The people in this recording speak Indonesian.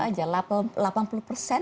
tapi sekarang sekarang double aja